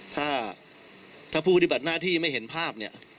ถ้าผู้ปฏิบัติหน้าที่ไม่เห็นภาพ